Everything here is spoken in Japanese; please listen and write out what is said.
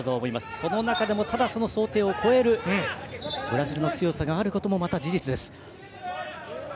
その中でも、その想定を超えるブラジルの強さがあることもまた事実です。